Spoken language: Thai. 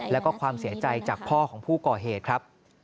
แล้วก็ความเสียใจจากพ่อของผู้ก่อเหตุครับ